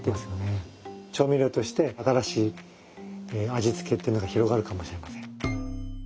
調味料として新しい味付けっていうのが広がるかもしれません。